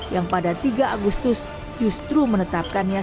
yang pada tiga agustus justru menetapkannya